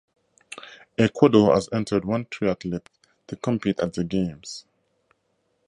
Ecuador has entered one triathlete to compete at the Games.